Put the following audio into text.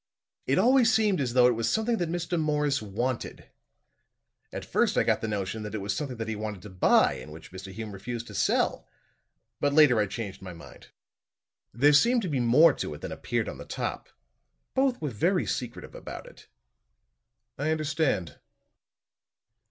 It always seemed as though it was something that Mr. Morris wanted. At first I got the notion that it was something that he wanted to buy and which Mr. Hume refused to sell; but later I changed my mind. There seemed to be more to it than appeared on the top. Both were very secretive about it." "I understand."